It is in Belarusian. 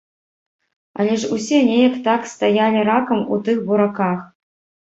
Але ж усе неяк так стаялі ракам у тых бураках.